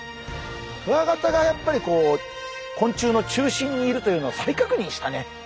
クワガタがやっぱり昆虫の中心にいるというのを再確認したね。